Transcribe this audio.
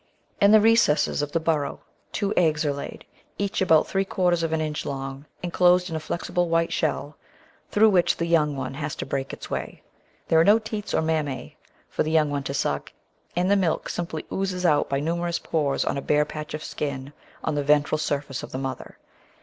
In the recesses of the burrow two eggs are laid, each about three quarters of an inch long, enclosed in a flexible white shell, through which the young one has to break its way. There are no teats or mammse for the young one to suck, and the milk simply oozes out by numerous pores on a bare patch of skin on the ventral surface of the mother.